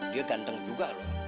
dia ganteng juga loh